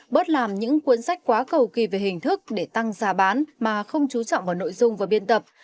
bớt làm những cuốn sách quá cầu kỳ về hình thức để tăng giá bán mà không chú trọng vào nội dung và biên tập